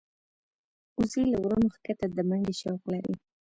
وزې له غرونو ښکته د منډې شوق لري